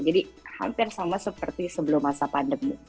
jadi hampir sama seperti sebelum masa pandemi